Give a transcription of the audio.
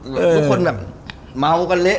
ทุกคนแบบเมากันเละ